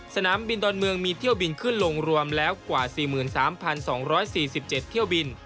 สนามบินดอนเมืองมีเที่ยวบินขึ้นลงรวมแล้วกว่า๔๓๒๔๗เที่ยวบิน